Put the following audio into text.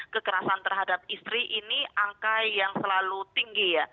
kekerasan terhadap istri ini angka yang selalu tinggi ya